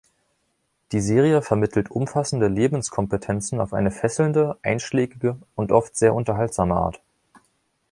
Die Serie vermittelt umfassende Lebenskompetenzen auf eine fesselnde, einschlägige und oft sehr unterhaltsame Art.